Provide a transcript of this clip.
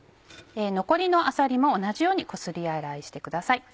残りのあさりも同じようにこすり洗いしてください。